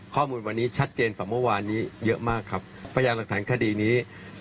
ข้อมูลวันนี้ชัดเจนกว่าเมื่อวานนี้เยอะมากครับพยานหลักฐานคดีนี้